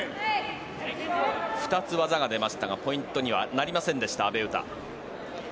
２つ、技が出ましたがポイントにはなりませんでした阿部詩。